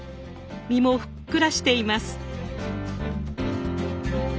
身もふっくらしています。